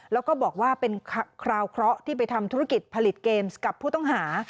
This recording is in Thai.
แล้วก็บอกว่าเป็นคราวเคราะห์ที่ไปทำธุรกิจผลิตเกมส์กับผู้ต้องหา